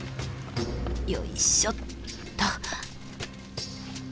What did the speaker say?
よいしょっと。